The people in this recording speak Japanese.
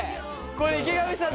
これ池上さん